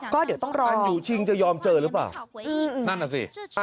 ก็เดี๋ยวต้องรออันอยู่ชิงจะยอมเจอหรือเปล่า